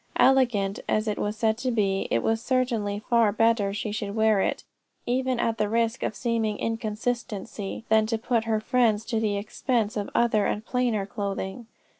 Elegant as it was said to be, it was certainly far better she should wear it, even at the risk of seeming inconsistency, than to put her friends to the expense of other and plainer clothing.